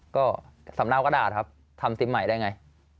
ก็สำเนากระดาษครับทำซิมใหม่ได้ไง